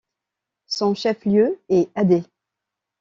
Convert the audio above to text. Son chef-lieu est Adé.